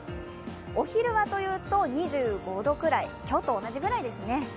お昼はというと、２５度くらい今日と同じくらいですね。